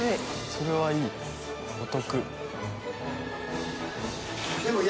それはいいお得。